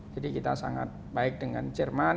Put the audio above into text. jadi kita sangat baik dengan jerman